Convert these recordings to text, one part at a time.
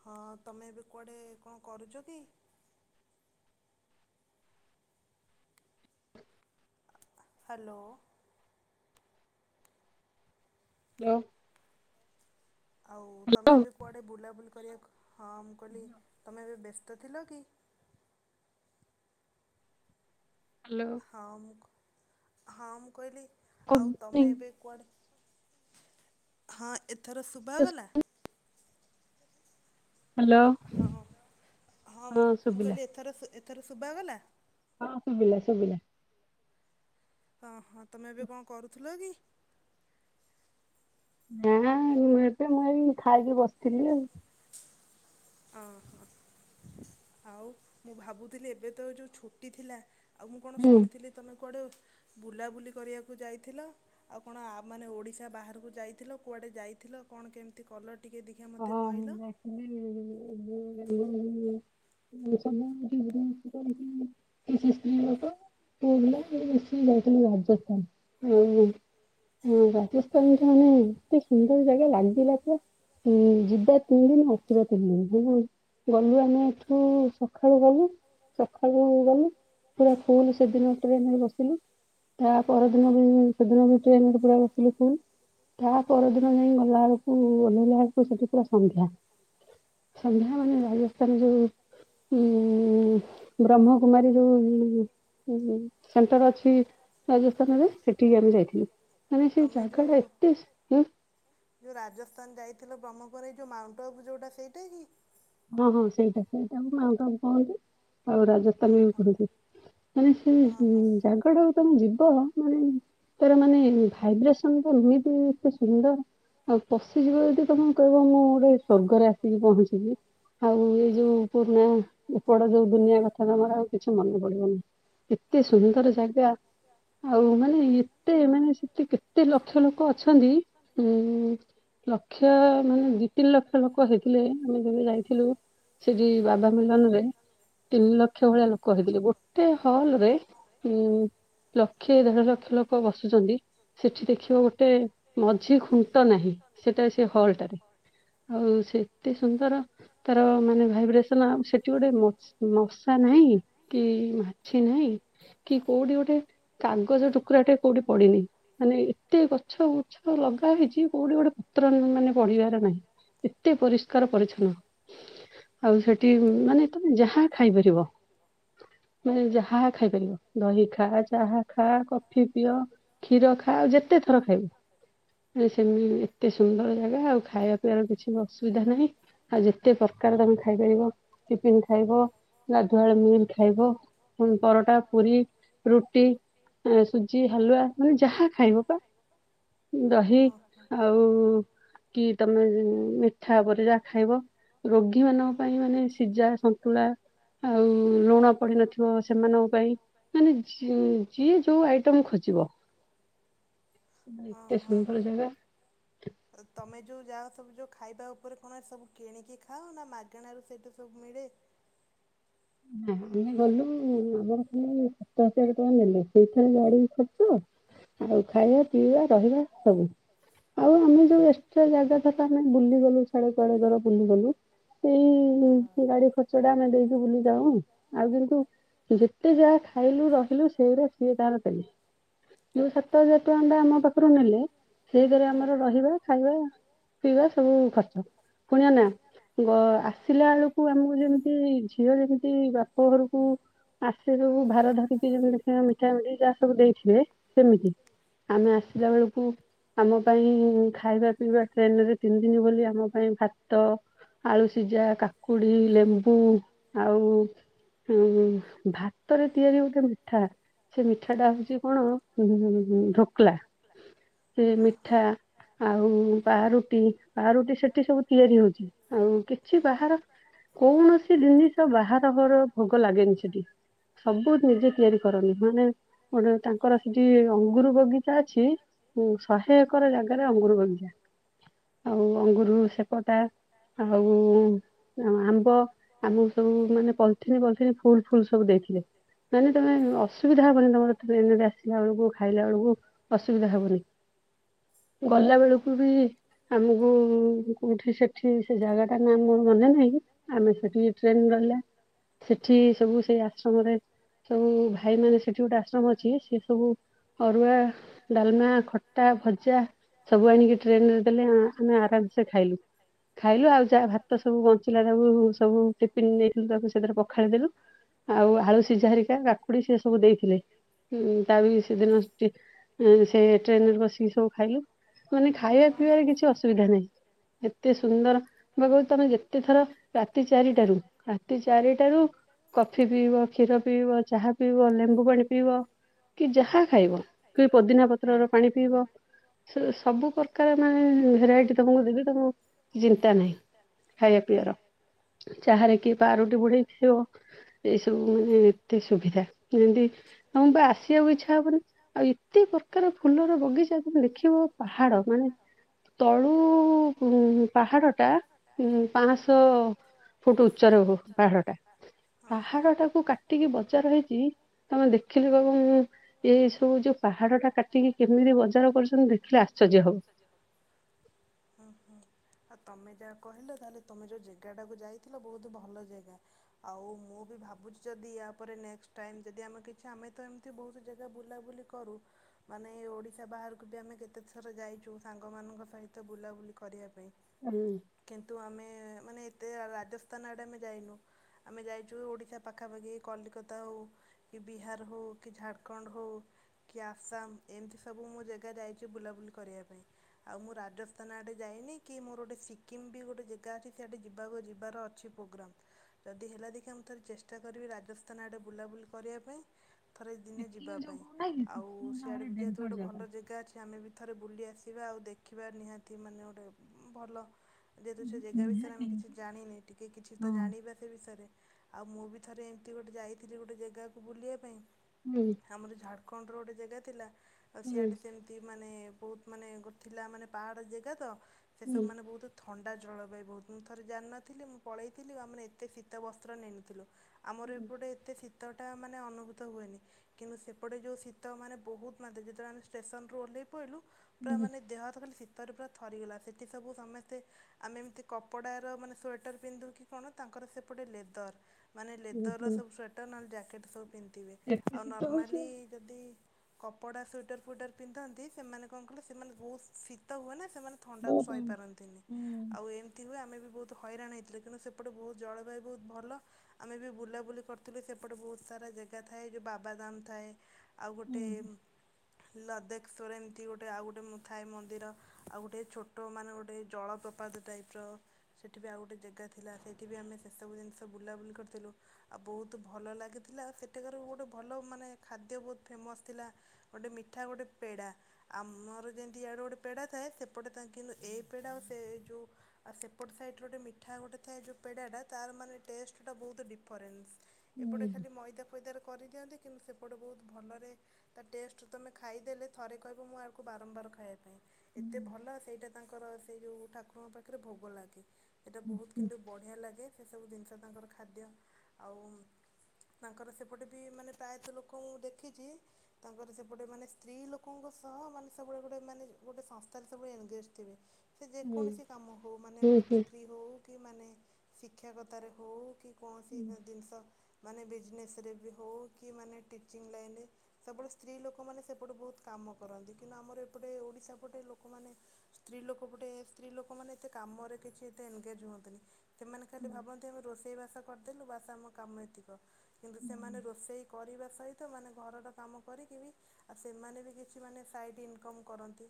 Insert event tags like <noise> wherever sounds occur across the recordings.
ହଁ ତମେ ଏବେ କୁଆଡେ କଣ କରୁଛ କି? ହ୍ୟାଲୋ ହେଲୋ ଆଉ ତମେ ଏବେ କୁଆଡେ ବୁଲାବୁଲି କରିବାକୁ ହଁ ମୁଁ କହିଲି ତମେ ଏବେ ବ୍ୟସ୍ ତ ଥିଲ କି। ହଁ ମୁଁ କ୍ ହଁ ମୁଁ କହିଲି ଆଉ ତମେ ଏବେ କୁଆଡେ ହଁ ଏଥର ଶୁଭାଗଲା? ହଁ ହଁ ମୁଁ ମୁଁ କହିଲି ଏଥର ଶୁ ଏଥର ଏଥର ଶୁଭା ଗଲା? ହଁ ଶୁଭିଲା ଶୁଭିଲା। ହଁ ହଁ। ତମେ ଏବେ କଣ କରୁଥିଲ କି? ମୁଁ ଏବେ ମୁଁ ଏଇ ଖାଇକି ବସିଥିଲି ଆଉ। ଅହୋ ଆଉ ମୁଁ ଭାବୁଥିଲି ଏବେ ତ ଯୋଉ ଛୁଟି ଥିଲା ଆଉ ମୁଁ କଣ ଶୁଣିଥିଲି ତୁମେ କୁଆଡ଼େ ବୁଲାବୁଲି କରିବାକୁ ଯାଇଥିଲ, ଆଉ କଣ ଆ ମାନେ ଓଡ଼ିଶା ବାହାରକୁ ଯାଇଥିଲ କୁଆଡେ ଯାଇଥିଲ କଣ କେମିତି କଲ ହଁ ମୁଁ ଯାଇଥିଲି ଇ-ଇ-ଇ। <inaudible> କିଛି ସ୍ତ୍ରୀ ଲୋକ ପିଲା ମିଶିକି ଯାଇଥିଲୁ ରାଜସ୍ଥାନ। ଇଏ ରାଜସ୍ଥାନ ତ ମାନେ ଏତେ ସୁନ୍ଦର ଜାଗା ଲାଗିଲା ପୁରା ଯିବା ତିନି ଦିନ ଆସିବା ତିନି ଦିନ। ସେଇଠୁ ଗଲୁ ଆମେ ଏଠୁ ସକାଳୁ ଗଲୁ ସକାଳୁ ଗଲୁ ପୁରା ଫୁଲ ସେଦିନ ଟ୍ରେନରେ ବସିଲୁ। ତା ପରଦିନ ବି ସେଦିନ ବି ଟ୍ରେନରେ ପୁରା ବସିଲୁ ଫୁଲ। ତା ପରଦିନ ଯାଇ ଗଲା ବେଳକୁ ଓଲ୍ହେଇଲା ସେଠି ପୁରା ସନ୍ଧ୍ୟା। ସନ୍ଧ୍ୟା ମାନେ ରାଜସ୍ଥାନ ଯୋଉ ଉଁ-ଉଁ-ଉଁ ବ୍ରହ୍ମକୁମାରୀ ଯୋଉ ଉ-ଉ ଉମ ସେଣ୍ଟର ଅଛି ରାଜସ୍ଥାନରେ ସେଠିକି ଆମେ ଯାଇଥିଲୁ। ମାନେ ସେଇ ଜାଗାଟା ଏତେ ସୁ <inaudible> ଥିଲ ବ୍ରହ୍ମକୁମାରୀ ଯୋଉ ମାଉଣ୍ଟ ଆବୁ ଯୋଉଟା ସେଇଟା କି? ହଁ ହଁ ସେଇଟା ସେଇଟା କୁ ମାଉଣ୍ଟ ଆବୁ କୁହନ୍ତି। ଆଉ ରାଜସ୍ଥାନ ବି କୁହନ୍ତି। ମାନେ ସେଇ ମ୍-ମ୍ ଜାଗାଟାକୁ ତମେ ଯିବ ତ ମାନେ ତାର ମାନେ ଭାଇବ୍ରେସନ ତ ଏମିତି ଏତେ ସୁନ୍ଦର। ଆଉ ପଶିଯିବ ଯଦି ତମେ କହିବ ମୁଁ ଗୋଟେ ସ୍ଵର୍ଗରେ ଆସିକି ପହଞ୍ଚିଲି। ଆଉ ଏ ଯୋଉ ପୁର୍ଣା ଉପର ଯୋଉ ଦୁନିଆ କଥା ତମର ଆଉ କିଛି ମନେ ପଡିବନି। ଏତେ ସୁନ୍ଦର ଜାଗା ଆଉ ମାନେ ଏତେ ମାନେ ସେଠି କେତେ ଲକ୍ଷ ଲୋକ ଅଛନ୍ତି ଉମ-ମ୍-ମ୍ ଲକ୍ଷ ମାନେ ଦି ତିନି ଲକ୍ଷ ଲୋକ ହେଇଥିଲେ ଆମେ ଯେବେ ଯାଇ ସେଠି ବାବା ସମ୍ମିଳନରେ ତିନି ଲକ୍ଷ ଭଳିଆ ଲୋକ ହେଇଥିଲେ। ଗୋଟେ ହଲରେ ଉମ-ମ୍-ମ୍ ଲକ୍ଷେ ଦେଢ ଲକ୍ଷ ଲୋକ ବସୁଛନ୍ତି। ସେଠି ଦେଖିବ ଗୋଟେ ମଝି ଖୁଣ୍ଟ ନାହିଁ ସେଟା ସେ ହଲ ଟାରେ। ଆଉ ସେ ଏତେ ସୁନ୍ଦର ର ମାନେ ଭାଇବ୍ରେସ୍ ସେଠି ଗୋଟେ ମ ମଶା ନାହିଁ କି-କି-କି ମାଛି ନାହିଁ କି କୋଉଠି ଗୋଟେ କାଗଜ ଟୁକୁାଡ଼ା ଟେ କୋଉଠି ପଡିିନି। ମାନେ ଏତେ ଗଛ ଗୁଛ ଲଗା ହେଇଛି କୋଉଠି ଗୋଟେ ପତ୍ର-ର-ର ମାନେ ପଢିବାର ନାହିଁ। ଏତେ ପରିଷ୍କାର ପରିଚ୍ଛନ୍ନ। ଆଉ ସେଠି ଉମ-ମ୍-ମ୍ ମାନେ ତମେ ଯାହା ଖାଇପାରିବ। ମାନେ ଯାହା ଖାଇପାରିବ ଦହି ଖା, ଚାହା ଖା, କଫି ପିଅ, କ୍ଷୀର ଖା ଯେତେ ଥର ଖାଇବ। ଏ ସେମି ଏତେ ସୁନ୍ଦର ଜାଗା ଆଉ ଖାଇବା ପିଇବାର କିଛି ବି ଅସୁବିଧା ନାହିଁ ଆଜି ତେ ପ୍ରକାରର ତମେ ଖାଇପାରିବ। ଟିଫିନ ଖାଇବ ଗାଧୁଆ ବେଳେ ମିଲ୍ ଖାଇବ ହୁଁ ପରଟା ପୁରୀ ରୁଟି ଉଁ ସୁଜି ହାଲୁଆ ମାନେ ଯାହା ଖାଇବ ପା ଦହି ଆଉ-ଉ-ଉ କି ତମେ ଉଁ ମିଠା ବୋଲି ଆ ଖାଇବ ରୋଗୀ ମାନଙ୍କ ପାଇଁ ମାନେ ସିଝା ସନ୍ତୁଳା ଆଉ ଲୁଣ ପଡି ନଥିବ ସେମାନଙ୍କ ପାଇଁ ମାନେ ଯିଏ ଯୋଉ ଆଇଟମ ଖୋଜିବ। ଏତେ ସୁନ୍ଦର ଜାଗା। ତମେ ଯୋଉ ଯାଅ ସବୁ ଯୋଉ ଖାଇବା ଉପରେ କଣ ସବୁ କିଣିକି ଖାଅ ନା ମାଗଣ ର ସେଇଠୁ ସବୁ ମିଳେ? ଆମେ ଗଲୁ ଆମର ଖଲି ସାତ ହଜାର ଟଙ୍କା ନେଲେ ସେଇଠାରେ ଆଡ଼େବି ଖର୍ଚ୍ଚ ଆଉ ଖାଇବା ପିଇବା ରହିବା ସବୁ। ଆଉ ଆମେ ଯୋଉ ଏକ୍ସଟ୍ରା ଜାଗା ର ଆମେ ବୁଲିଗଲୁ ଛାଡ଼ ସିଆଡେ କୁଆଡେ ଦର ବୁଲିଗଲୁ ସେଇ ଗାଡି ଖର୍ଚ୍ଚ ଟା ଆମେ ଦେଇକି ବୁଲି ଯାଉ ଆଉ କିନ୍ତୁ ଯେତେ ଯାହା ଖାଇଲୁ ରହିଲୁ ସେଇଗୁଡା ସିଏ ତାର ଦେଲେ ଯୋଉ ସାତ ହଜାର ଟଙ୍କାଟା ଆମ ପାଖରୁ ନେଲେ ସେଇଥିରେ ଆମର ରହ ବା ଖାଇବା ପିଇବା ସବୁ ଖର୍ଚ୍ଚ ପୁଣି ନା ଆସିଲା ବେଳକୁ ଆମକୁ ଯେମିତି ଝିଅ ସେ ବାପ ଘରକୁ ଆସେ ସବୁ ଭାର ଧରିକି ଯେମିତି ଦେଖ ମିଠା ମିଠି ଯା ସବୁ ଦେଇଥିବେ ସେମିତି ଆମେ ଆସିଲା ବେଳକୁ ଆମ ପାଇଁ ଖାଇବା ପିଇବା ଟ୍ରେନ୍ ରେ ତିନି ଦିନ ବୋଲି ଆମ ପାଇଁ ଭାତ, ଆଳୁ ସିଝା, କାକୁଡି, ଲେମ୍ବୁ ଉଁ ଭାତରେ ତିଆରି ଗୋଟେ ମିଠା ସେ ମିଠା ଟା ହଉଛି କଣ ଉ ଢୋକଲା ସେ ମିଠା ଆଉ ପାରୁଟି ପାରୁଟି ସେଠି ସବୁ ତିଆରି ହଉଛି ଆଉ କିଛି ବାହାର କୌଣସି ଜିନିଷ ତ ବାହାର ହର ଭୋଗ ଲାଗେନି ସେଠି ସବୁ ନିଜେ ତିଆରି କରନ୍ତୀ ମାନେ ଗୋଟେ ତାଙ୍କର ସେଠି ଅଙ୍ଗୁର ବଗିଚା ଅଛି ଶହେ ଏକର ଜାଗାରେ ଅଙ୍ଗୁର ବଗିଚା। ଆଉ ଅଙ୍ଗରୁ ସେପଟା ଆଉ ଆମ୍ବ ଆମ ସବୁ ମାନେ ପଲଥିନ ପଲଥିନି ଫୁଲ ଫୁଲ ସବୁ ଦେଇଥିଲେ ମାନେ ତମେ ଅସୁବିଧା ହବନି ତମର ଟ୍ରେନରେ ଆସିଲା ବେଳକୁ ଖାଇଲା ବେଳକୁ ଅସୁବିଧା ହବନି। ଗଲା ବେଳକୁ ବି ଆମକୁ ହୁଁ କୋଉଠି ସେଠି ସେ ଜାଗା ଟା ନା ମୋର ମନେ ନାହିଁ। ଆମେ ଟ୍ରେନ ରହିଲା ସେଠି ସବୁ ସେଇ ଆଶ୍ରମରେ ସବୁ ଭାଇ ମାନ ସେଠି ଗୋଟେ ଆଶ୍ରମ ଅଛି ସେ ସବୁ ଅରୁଆ ଡାଲମା ଖଟା ଭଜା ସବୁ ଆଣିକି ଟ୍ରେନରେ ଦେଲେ ଆମେ ଆରାମ ସେ ଖାଇଲୁ ଖାଇଲୁ ଆଉ ଯାହା ଭାତ ସବୁ ବଞ୍ଚ୍ ପିଲାଟାକୁ ସ ଟିଫନ୍ ନେଇଥିଲୁ ତାକୁ ସେଥିରେ ପଖାଳି ଦେଲୁ ଆଉ ଆଳୁ ସୀଝାହେରିକା କାକୁଡ଼ି ସେ ସବୁ ଦେଇଥିଲେ ତା ବି ସେଦିନ ସେ ଟ୍ରେନରେ ବସିକି ସବୁ ଖାଇଲୁ ମାନେ ଖାଇବା ପିଇବାରେ କିଛି ଅସୁବିଧା ନାହିଁ ଏତେ ସୁନ୍ଦର ମନେ ତମେ ଯେତେଥର ରାତି ରାତି ଚାରିଟାରୁ କଫି ପିଇବ କ୍ଷୀର ପିଇବ ଚାହା ପିବ ଲେମ୍ବୁ ପାଣି ପିବ କି ଯାହା ଖାଇବ କି ପୋଦିନା ପତ୍ରର ପାଣି ପିଇବ ସବୁ ପ୍ରକାର ମାନେ ଭେରାଇଟି ତମକୁ ଦେବି ତମକୁ ଚିନ୍ତା ନାହିଁ ଖାଇବା ପିଇବାର। ଚାହାରେ କିଏ ପାରୁଟି ବୁଡେଇିବ ଖାଇବ ଏଇସବୁ ମାନେ ଏତେ ସୁବିଧା ଯେମିତି ତମ ବା ଆସିବାକୁ ଇଛା ଦେଖା ହବନି ଆଉ ଏତେ ପ୍ରକାର ଫୁଲର ବଗିଚା ତମ ଦେଖିବ ପାହାଡ ମାନେ ତଳୁ ଉ ପାହାଡ ଟା ଉ ପାଞ୍ଚଶହ ଓଟୋ ଉଚ୍ଚାର ହ ପାହାଡ ଟା ପାହାଡ ଟାକୁ କାଟିକି ବଜାର ହେଇଛି ତମେ ଦେଖିଲି କହିବ ମୁ ଏ ସବୁ ଯୋଉ ପାହାଡ ଟା କାଟିକି କେମିତି ବଜାର କରୁଛନ୍ତି ଦେଖିଲେ ଆଶ୍ଚର୍ଯ୍ୟ ହବ। ଆଉ ତମେ ଯାହା କହିଲ ତାହେଲେ ତମେ ଯଉ ଜାଗାଟାକୁ ଯାଇଥିଲ ବହୁତ ଭଲ ଜାଗା ଆଉ ମୁଁ ବି ଭାବୁଛି ଯଦି ୟା ପରେ ନେକ୍ସଟ ଟାଇମ ଯଦି ଆମେ କିଛି ଆମେ ତ ଏମିତି ବହୁତ ଜାଗା ବୁଲାବୁଲି କରୁ ମାନେ ଓଡ଼ିଶା ବାହାରକୁ ବି ଆମେ କେତେଥର ଯାଇଛୁ ସାଙ୍ଗମାନଙ୍କ ସହିତ ବୁଲାବୁଲି କରିବା ପାଇଁ କିନ୍ତୁ ଆମେ ମାନେ ଏତେ ରାଜସ୍ଥାନ ଆଡ଼େ ଆମେ ଯାଇନୁ ଆମେ ଯାଇଚୁ ଓଡ଼ିଶା ପାଖାପାଖି କଲିକତା ହଉ କି ବିହାର ହେଉ କି ଝାଡ଼୍ ଖଣ୍ଡ ହଉ କି ଆସାମ ଏମିତି ସବୁ ମୁଁ ଜାଗା ଯାଇଛି ବୁଲାବୁଲି କରିବା ପାଇଁ ଆଉ ମୁଁ ରାଜସ୍ଥାନ ଆଡ଼େ ଯାଇନି କି ମୋର ଗୋଟେ ସିକିମ୍ ବି ଗୋଟେ ଜାଗା ଅଛି ସେଆଡ଼େ ଯିବାକୁ ଯିବାର ଅଛି ପ୍ରୋଗ୍ରାମ୍ ଯଦି ହେଲା ଦେଖିଆ ମୁଁ ତାହେଲେ ଚେଷ୍ଟା କରିବି ରାଜସ୍ଥାନ ଆଡ଼େ ବୁଲାବୁଲି କରିବା ପାଇଁ ଥରେ। ଦିନେ ଯିବା ପାଇଁ ଆଉ ସିଆଡେ ବି ଯେହେତୁ ଗୋଟେ ଭଲ ଜାଗା ଅଛି ଆମେ ବି। ଥରେ ବୁଲି ଆସିବା ଆଉ ଦେଖିବା ନିହାତି ମାନେ ଗୋଟେ ଭଲ। ଯେହେତୁ ସେ ଜାଗା ବିଷୟରେ ଆମେ କିଛି ଜାଣିନେ ଟିକେ କିଛି ତ ଜାଣିବା ସେ ବିଷୟରେ। ଆଉ ମୁଁ ବି ଥରେ ଏମିତି ଗୋଟେ ଯାଇଥିଲି ଗୋଟେ ଜେଗାକୁ ବୁଲିବା ପାଇଁ। ଆମର ଝା। ଖଣ୍ଡ ର ଗୋଟେ ଜାଗା ଥିଲା। ଆଉ ସିଆଡେ ସେମିତି ମାନେ। ବହୁତ ମାନେ ଗୋଟେ ଥିଲା ମାନେ ପାହାଡ଼ ଜାଗା ତ। ସେ ସବୁ ମାନ ବହୁତ ଥଣ୍ଡା। ଜଳବାୟୁ ବହୁତ ମୁଁ ଥରେ ଜାଣିନଥିଲି ମୁଁ ପଳେଇଥିଲି ଆ ମାନେ ଏତେ ଶୀତ ବସ୍ତ୍ର ନେଇନଥିଲି। ଆମର ଏପଟେ ଏତେ। ଶୀତଟା ମାନେ ଅନୁଭୂତ ହୁଏନି। କିନ୍ତୁ ସେପଟେ ଯୋଉ ଶୀତ ମାନେ ବହୁତ ମାତ୍ରେ ଯେତେବେଳେ ଆମେ ଷ୍ଟେସନରୁ ଓଲ୍ହେ। ପଇଲୁ ପୁରା ମାନେ ଦେହ ହାତ ଖାଲି। ଶୀତ ରେ ପୁରା ଥରିଗଲା ସେଠି ସବୁ ସମସ୍ତେ ଆମେ ଏମିତି କପଡ଼ାର ମାନେ ସ୍ବେଟର୍ ପିନ୍ଧୁ କିି କଣ ତାଙ୍କର ସେପଟେ ଲେଦର। ମାନେ ଲେଦର ସବୁ ସ୍ବେଟର୍ ନହେଲେ। ପକେଟ ସବ। ଥିବେ। ଆଉ ନର୍ମାଲି ଯଦି। କପଡା ସୁଇଟର ଫୁଇଟର ପିନ୍ଧନ୍ତି ସେମାନେ କଣ କହିଲ ସେମାନେ ବହୁତ ଶୀତ ହୁଏ। ସେମାନେ ଥଣ୍ଡାକୁ ସହି ପାରନ୍ତିନି ଆଉ ଏମିତି ହୁଏ ଆମେ। ବହୁତ ହଇରାଣ ହେଇଥିଲେ କିନ୍ତୁ ସେପଟେ ବହୁତ ଜଳବାୟୁ ବହୁତ ଭଲ ଆମେ ବି ବୁଲାବୁଲି କରିୁଥିଲୁ ସେପଟେ ବହୁତ ସାରା ଜାଗା ଥାଏ। ଯୋଉ ବାବାଦାମ ଥାଏ। ଆଉ ଗୋଟେ। ଲଦେଖଶ୍ଵର ଏମିତି ଗୋଟେ ଆଉ ଗୋଟେ ଥାଏ ମନ୍ଦିର ଆଉ ଗୋଟେ ଛୋଟ ମାନେ ଗୋଟେ ଜଳପ୍ରପାତ ଟାଇପ୍ ର ସେଠି ବି ଆଉ ଗୋଟେ ଜେଗା ଥିଲା ସେଇଠି ବି ଆମେ ସେ ସବୁ ଜିନିଷ ବୁଲାବୁଲି କରିଥିଲୁ ଆଉ ବହୁତ ଭଲ ଲାଗିଥିଲା ଆଉ ସେଠାକାର। <unintelligible> ଗୋଟେ ଭଲ ମାନେ ଖାଦ୍ୟ ବହୁତ ଫେମସ୍ ଥିଲା ଗୋଟେ ମିଠା ଗୋଟେ ପେଡ଼ା ଆମର ଯେମିତି ଇଆଡ଼େ ଗୋଟେ ପେଡ଼ା ଥାଏ ସେପଟେ କିନ୍ତୁ ଏଇ ପେଡ଼ା ଆଉ ସେ ଯୋଉ ସେପଟ ସାଇଟ୍ ରେ ଗୋଟେ ମିଠା ଗୋଟେ ଥାଏ ଯୋଉ ପେଡ଼ାଟା ତାର ମାନେ ଟେଷ୍ଟଟା ବହୁତ ଡିଫରେନ୍ସ। ଏପଟେ ଖାଲି ମଇଦା ଫଇଦା। କରିଦିଅନ୍ତି କିନ୍ତୁ ସେପଟେ ବହୁତ ଭଲରେ ତା ଟେଷ୍ଟ ତମେ ଖାଇଦେଲେ ଥରେ କହିବ ମୁଁ ଆକୁ ବାରମ୍ବାର ଖାଇବା କୁ। ଏତେ ଭଲ ସେଇଟା ତାଙ୍କର। ସେଇ ଯୋଉ ଠାକୁରଙ୍କ ପାଖରେ ଭୋଗ ଲାଗେ। ଏଟା ବହୁତ କିନ୍ତୁ ବଢିଆ ଲାଗେ ସେ ସବୁ ଜିନିଷ। ତାଙ୍କର ଖାଦ୍ୟ ଆଉ ତାଙ୍କର। ସେପଟେ ବି ମାନେ ପ୍ରାୟତଃ ଲୋକ ମୁଁ ଦେଖିଛି ତାଙ୍କର ସେପଟେ ମାନେ ସ୍ତ୍ରୀ ଲୋକଙ୍କ ସହ ମାନେ ସେଗୁଡା ଗୋଟେ ମାନେ ଗୋଟେ ସଂସ୍ଥାରେ ସେବୁବେଳେ ଏନଗେଜ ଥିବେ। ସେ ଯେକୌଣସି କାମ ହଉ ମାନେ ଗୋଟେ ବିକ୍ରି ହଉ କି ମାନେ। ଶିକ୍ଷାଗତ ରେ ହଉ କି କୌଣସି ବି ଜିନିଷ ମାନେ ବିଜନେସ୍ ରେ ହଉ କି ମାନେ ଟିଚିଂ ଲାଇନରେ ସବୁବେଳେ ସ୍ତ୍ରୀ ଲୋକମାନେ ସେପଟୁ ବହୁତ କାମ କରନ୍ତି କିନ୍ତୁ ଆମର ଏପଟେ ଓଡିଶା ପଟେ ଲୋକମାନେ ସ୍ତ୍ରୀ ଲୋକ ପଟେ ସ୍ତ୍ରୀ ଲୋକମାନେ ଏତେ କାମରେ କିଛି ଏତେ ଏନଗେଜ ହୁଅନ୍ତିନି। ସେମାନେ ଖାଲି ଭାବନ୍ତି ଆମେ ରୋଷେଇ ବାସ କରିଦେଲୁ ବାସ ଆମ କାମ ଏତିକ ସେମାନେ ରୋଷେଇ କରିବା ସହିତ ମାନେ ଘରର କାମ କରିକି ବି ଆଉ ସେମାନେ ବି କିଛି ମାନେ ସାଇଡ଼ ଇନକମ କରନ୍ତି।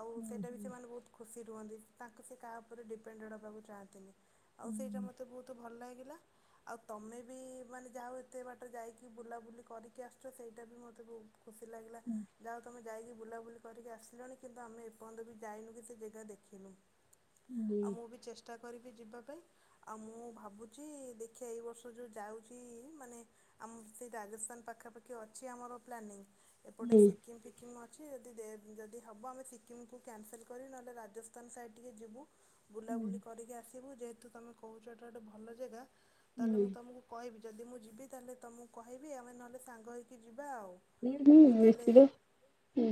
ଆଉ ସେଇଟା ବି ସେମାନେ ବହୁତ ଖୁସି ରୁହନ୍ତି। ତାଙ୍କୁ ସେ କାହା ଉପରେ ଡିପେଣ୍ଡେଡ ହେବାକୁ ଚାହାଁନ୍ତିିନି। ଆଉ ସେଇଟା ମତେ ବହୁତ ଭଲ ଲାଗେ ହେଲା ଆଉ ତମେ ବି ମାନେ ଯା ହଉ ଏତେ ବାଟ ଯାଇକି ବୁଲାବୁଲି କରିକି ଆସୁଛ ସେଇଟା ବି ମୋତେ ବହୁତ ଖୁସି ଲାଗିଲା ଯା ହଉ ତମେ ଯାଇକି ବୁଲାବୁଲି କରିକି ଆସିଲୁଣି କିନ୍ତୁ ଆମେ ଏପର୍ଯ୍ୟନ୍ତ ବି ଯାଇନୁ କି ସେ ଜାଗା ଦେଖିନୁ। ଆଉ ମୁଁ ବି ଚେଷ୍ଟା କରିବି ଯିବା ପାଇଁ ଆଉ ମୁଁ ଭାବୁଛି ଦେଖିବା ଏଇ ବର୍ଷ ଯୋଉ ଯାଉଛି ମାନେ ଆମର ସେ ରାଜସ୍ଥାନ ପାଖାପାଖି ଅଛି ଆମର ପ୍ଲାନିଂ ଏପଟେ ସିକିମ ଫିକିମ ଅଛି ଯଦି ଦେ ଯଦି ହବ ଆମେ ସିକିମ୍ କୁ କ୍ୟାନସେଲ୍ କରି ନହେଲେ ରାଜସ୍ଥାନ ସାଇଡ଼୍ ଟିକେ ଯିବୁ ବୁଲାବୁଲି କରିକି ଆସିବୁ ଯେହେତୁ ଏ ତ ତମେ କହୁଛ ଏଇଟା ଗୋଟେ ଭଲ ଜାଗା ତାହେଲେ ମୁଁ ତମକୁ କହିବି ଯଦି ମୁଁ ଯିବି ତାହେଲେ ମୁଁ ତ କହିବି ଆମେ ନହେଲେ ସାଙ୍ଗ ହେଇକି ଯିବୁ ଯିବା ଆଉ ମୁଁ ତାହଲେ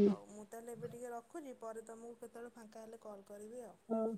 ହଉ ମୁଁ ତାହେଲେ ଏବେ ଟିକେ ରଖୁଛି ପରେ ତମକୁ କେତେବେଳେ ଫାଙ୍କା ହେଲେ କଲ୍ କରିବି ହଉ।